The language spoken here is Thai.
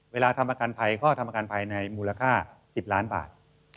ทำประกันภัยก็ทำประกันภัยในมูลค่า๑๐ล้านบาท